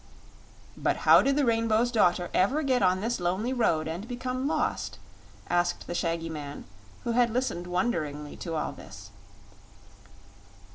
"But how did the Rainbow's Daughter ever get on this lonely road, and become lost?" asked the shaggy man, who had listened wonderingly to all this.